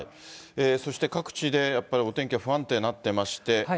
そして各地でやっぱりお天気は不安定になっていまして。